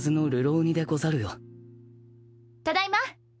ただいま。